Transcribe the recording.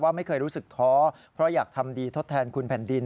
ไม่เคยรู้สึกท้อเพราะอยากทำดีทดแทนคุณแผ่นดิน